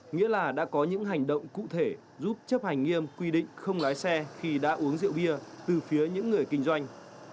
nghĩa là đã có những hành động cụ thể giúp chấp hành nghiêm quy định không lái xe khi đã uống rượu bia từ phía những người kinh doanh